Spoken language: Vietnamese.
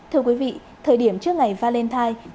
thưa quý vị thời điểm trước ngày valentine